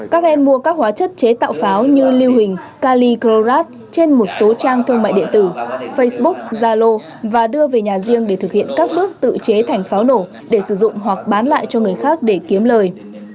các em mua các hóa chất chế tạo pháo như lưu hình calicrorat trên một số trang thương mại điện tử facebook zalo và đưa về nhà riêng để thực hiện các bước tự chế thành pháo nổ để sử dụng hoặc bán lại cho người khác để kiếm lời